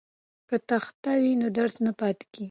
که تخته وي نو درس نه پاتې کیږي.